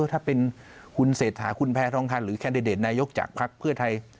ถ้าเป็นคุณเศษฐาคุณแพทย์ท่องท่านหรือแคนเดตนายกจากภาคเพื่อไทย